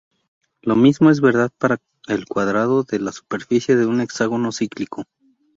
Lo mismo es verdad para el cuadrado de la superficie de un hexágono cíclico.